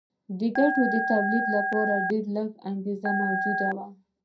د ګټې د تولید لپاره ډېره لږه انګېزه موجوده وه